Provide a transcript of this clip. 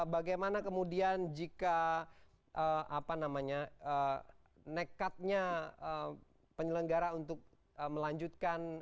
bagaimana kemudian jika nekatnya penyelenggara untuk melanjutkan